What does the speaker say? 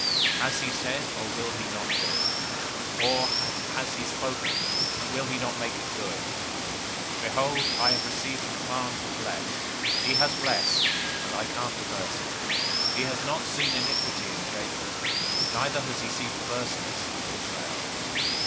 Has he said, and will he not do it? Or has he spoken, and will he not make it good? 023:020 Behold, I have received a command to bless. He has blessed, and I can't reverse it. 023:021 He has not seen iniquity in Jacob. Neither has he seen perverseness in Israel.